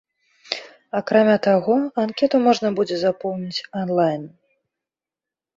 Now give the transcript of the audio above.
Акрамя таго, анкету можна будзе запоўніць онлайн.